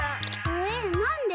えっなんで？